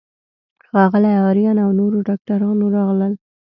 ښاغلی آرین او نورو ډاکټرانو راغلل.